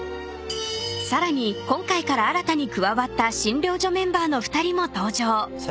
［さらに今回から新たに加わった診療所メンバーの２人も登場］